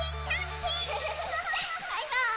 バイバーイ！